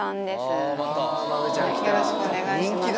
よろしくお願いします